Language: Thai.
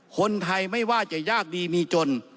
คนไทยไม่ว่าจะยากดีมีจน